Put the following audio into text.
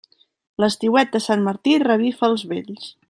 L'estiuet de sant Martí revifa els vells.